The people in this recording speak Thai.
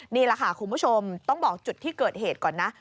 นี่แหละค่ะคุณผู้ชมต้องบอกจุดที่เกิดเหตุก่อนนะ